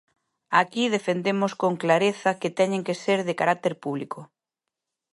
Aquí defendemos con clareza que teñen que ser de carácter público.